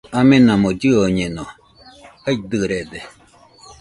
Amenamo llɨoñeno, jaidɨrede